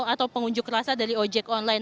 atau pengunjuk rasa dari ojek online